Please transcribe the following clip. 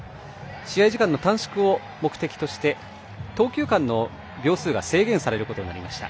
試合時間の短縮を目的にして投球間の秒数が制限されることになりました。